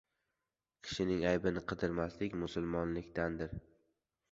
— Kishining aybini qidirmaslik — musulmonlikdandir.